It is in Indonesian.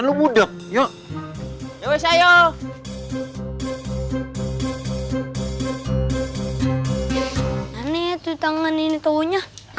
nah ini tuh tangan ini taunya